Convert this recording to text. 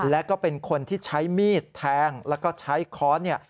แล้วก็เป็นคนที่ใช้มีดแทงแล้วก็ใช้ค้อนเนี่ย